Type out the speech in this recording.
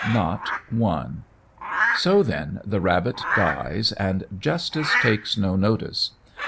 Not one. So, then, the rabbit dies, and justice takes no notice.